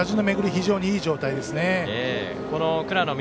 非常にいい状態ですね。